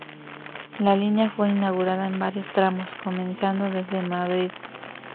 La línea fue inaugurada en varios tramos, comenzando desde Madrid.